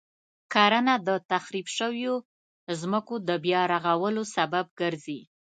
کرنه د تخریب شويو ځمکو د بیا رغولو سبب ګرځي.